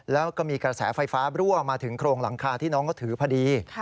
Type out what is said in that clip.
แล้วก็มีกระแสไฟฟ้ารั่วมาถึงโครงหลังคาที่น้องก็ถือพอดี